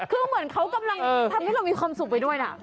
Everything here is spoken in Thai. คือเหมือนเขากำลังทำให้เรามีความสุขไปด้วยนะ